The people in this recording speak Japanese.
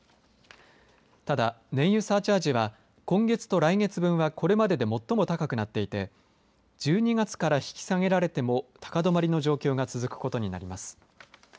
ただ、燃油サーチャージは今月と来月分はこれまでで最も高くなっていて１２月から引き下げられても高止まりの状況が続くことになります。